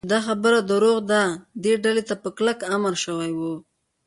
چې دا خبره دروغ ده، دې ډلې ته په کلکه امر شوی و.